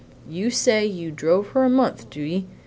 You say you've drove her a month, do ye?